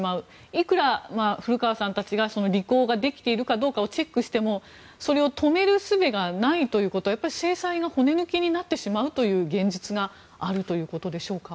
いくら古川さんたちが履行できているかチェックしてもそれを止める術がないということは制裁が骨抜きになってしまうという現実があるということでしょうか。